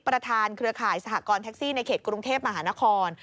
เครือข่ายสหกรณ์แท็กซี่ในเขตกรุงเทพมหานคร